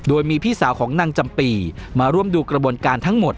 โดยมีพี่สาวของนางจำปีมาร่วมดูกระบวนการทั้งหมด